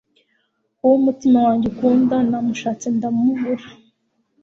uwo umutima wanjye ukunda. namushatse ndamubura